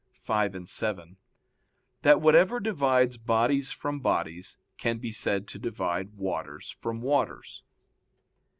i, 5,7) that whatever divides bodies from bodies can be said to divide waters from waters.